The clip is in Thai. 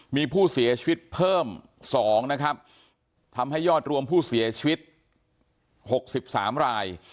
มีผู้เสียชีวิตเพิ่ม๒นะครับทำให้ยอดรวมผู้เสียชีวิต๖๓ราย